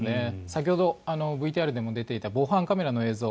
先ほど、ＶＴＲでも出ていた防犯カメラの映像